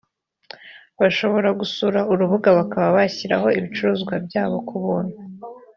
bashobora gusura urubuga bakaba bashyiraho ibicuruzwa byabo ku buntu